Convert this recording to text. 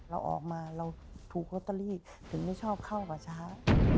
เราออกมาเราถูกลอตเตอรี่ถึงไม่ชอบเข้ากับเช้า